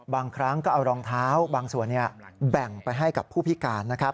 บางครั้งก็เอารองเท้าบางส่วนแบ่งไปให้กับผู้พิการนะครับ